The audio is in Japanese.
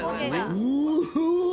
うわ！